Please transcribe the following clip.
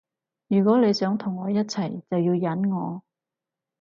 如果你想同我一齊就要忍我